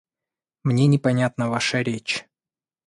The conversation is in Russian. Мне непонятна ваша речь.